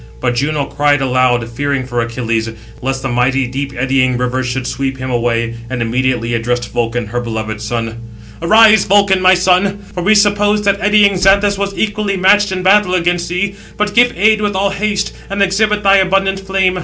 But Juno cried aloud, fearing for Achilles, lest the mighty deep eddying river should sweep him away; and immediately addressed Vulcan, her beloved son: "Arise, Vulcan, my son; for we supposed that eddying Xanthus was equally matched in battle against thee; but give aid with all haste, and exhibit thy abundant flame.